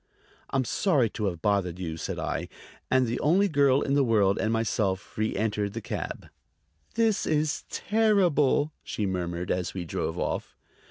"I'm sorry to have bothered you," said I; and the only girl in the world and myself reëntered the cab. "This is terrible!" she murmured as we drove off.